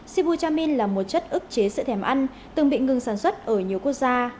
sibu chamin là một chất ức chế sữa thẻm ăn từng bị ngừng sản xuất ở nhiều quốc gia